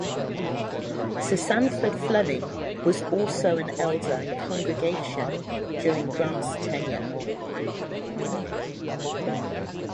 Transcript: Sir Sandford Fleming was also an Elder in congregation during Grant's tenure.